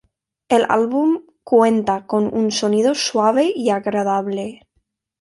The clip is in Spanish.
El álbum cuenta con un sonido suave y agradable.